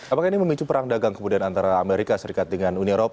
apakah ini memicu perang dagang kemudian antara amerika serikat dengan uni eropa